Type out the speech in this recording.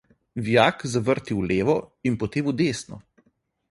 Vijak zavrti v levo in potem v desno.